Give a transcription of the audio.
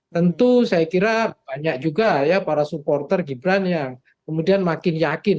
tentu saya kira banyak juga ya para supporter gibran yang kemudian makin yakin